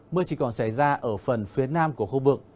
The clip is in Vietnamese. mưa chỉ còn xảy ra ở phần phía nam của khu vực